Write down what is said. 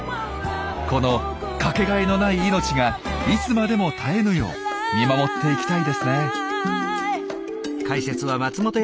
この掛けがえのない命がいつまでも絶えぬよう見守っていきたいですね。